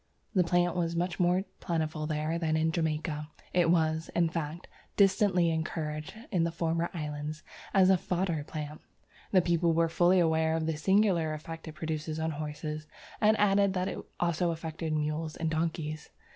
The plant was much more plentiful there than in Jamaica; it was, in fact, distinctly encouraged in the former islands as a fodder plant. The people were fully aware of the singular effect it produced on horses, and added that it also affected mules and donkeys.